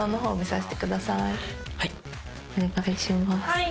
はい。